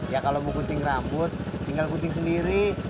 ya kalau gue gunting rambut tinggal gunting sendiri